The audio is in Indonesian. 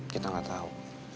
kita gak tahu